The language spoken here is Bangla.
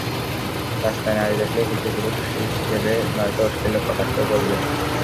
রাস্তায় নারী দেখলেই কিছু পুরুষ শিস দেবে, নয়তো অশ্লীল কটাক্ষ করবে।